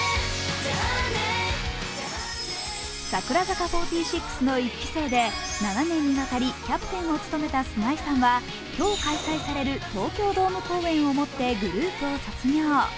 櫻坂４６の１期生で７年にわたりキャプテンを務めた菅井さんは今日開催される東京ドーム公演をもってグループを卒業。